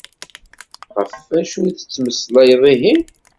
Ɣef acu i ad tettmeslayeḍ ihi?